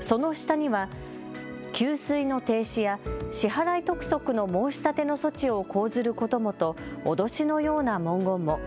その下には給水の停止や支払い督促の申し立ての措置を講ずることもと脅しのような文言も。